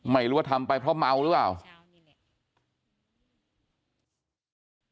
ไม่รู้ว่าทำไปเพราะเมาหรือเปล่า